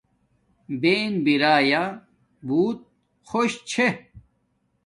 بہن بیرایا بوت خوش چھے